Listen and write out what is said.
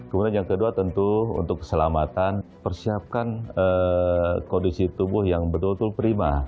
kemudian yang kedua tentu untuk keselamatan persiapkan kondisi tubuh yang betul betul prima